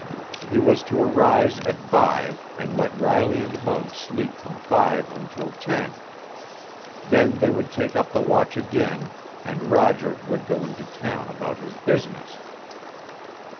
He was to arise at five and let Riley and Muggs sleep from five until ten. Then they would take up the watch again, and Roger would go into town about his business.